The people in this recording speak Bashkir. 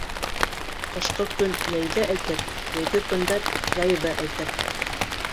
Ҡышҡы көн йәйҙе әйтер, йәйге көндәр яйҙы әйтер.